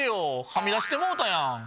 はみ出してもうたやん！